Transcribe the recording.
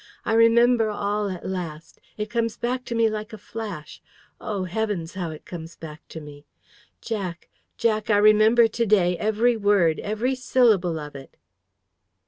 I remember all, at last. It comes back to me like a flash. Oh, heavens, how it comes back to me! Jack, Jack, I remember to day every word, every syllable of it!"